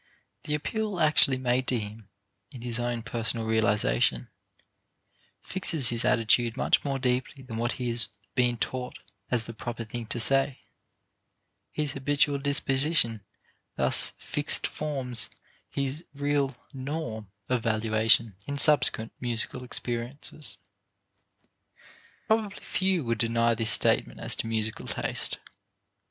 The appeal actually made to him in his own personal realization fixes his attitude much more deeply than what he has been taught as the proper thing to say; his habitual disposition thus fixed forms his real "norm" of valuation in subsequent musical experiences. Probably few would deny this statement as to musical taste.